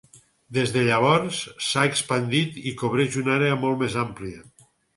Des de llavors, s'ha expandit i cobreix una àrea molt més àmplia.